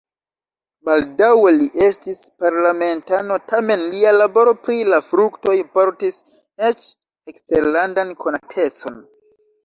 Baldaŭe li estis parlamentano, tamen lia laboro pri la fruktoj portis eĉ eksterlandan konatecon.